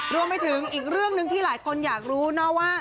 รวมไปถึงอีกเรื่องหนึ่งที่หลายคนอยากรู้นะว่า